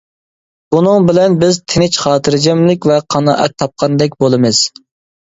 بۇنىڭ بىلەن بىز تىنچ-خاتىرجەملىك ۋە قانائەت تاپقاندەك بولىمىز.